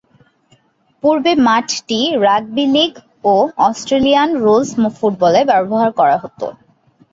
পূর্বে মাঠটি rugby league ও অস্ট্রেলিয়ান রুলস ফুটবলে ব্যবহার করা হতো।